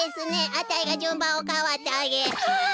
あたいがじゅんばんをかわってあげハッ！